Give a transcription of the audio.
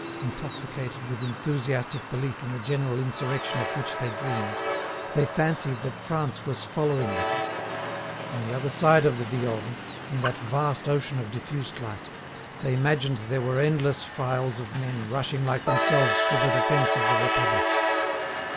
Intoxicated with enthusiastic belief in the general insurrection of which they dreamed, they fancied that France was following them; on the other side of the Viorne, in that vast ocean of diffused light, they imagined there were endless files of men rushing like themselves to the defence of the Republic.